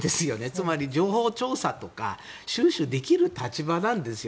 つまり、情報調査とか収集できる立場なんです。